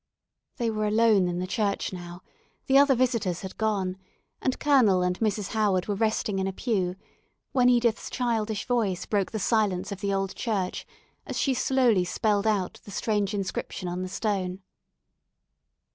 They were alone in the church now; the other visitors had gone, and Colonel and Mrs. Howard were resting in a pew, when Edith's childish voice broke the silence of the old church, as she slowly spelled out the strange inscription on the stone.